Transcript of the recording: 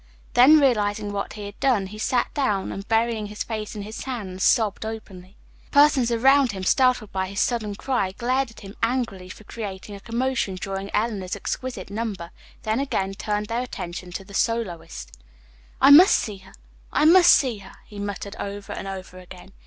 Then realizing what he had done, he sat down, and, burying his face in his hands, sobbed openly. Persons around him, startled by his sudden cry, glared at him angrily for creating a commotion during Eleanor's exquisite number, then again turned their attention to the soloist. "I must see her. I must see her," he muttered over and over again.